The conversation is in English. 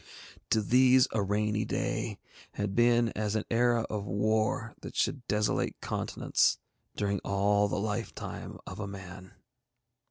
To these a rainy day had been as an era of war that should desolate continents during all the lifetime of a man.